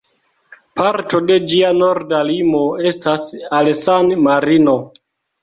Parto de ĝia norda limo estas al San-Marino.